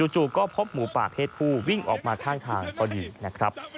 จู่ก็พบหมูป่าเพศผู้วิ่งออกมาข้างทางพอดีนะครับ